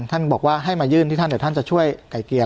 ท่านบอกว่าให้มายื่นที่ท่านเดี๋ยวท่านจะช่วยไก่เกลีย